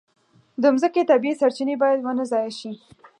د مځکې طبیعي سرچینې باید ونه ضایع شي.